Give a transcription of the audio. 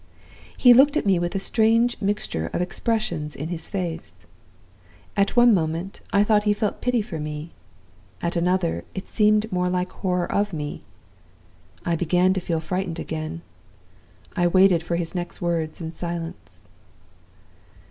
"He looked at me with a strange mixture of expressions in his face. At one moment I thought he felt pity for me. At another, it seemed more like horror of me. I began to feel frightened again; I waited for his next words in silence.